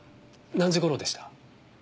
何時頃でした？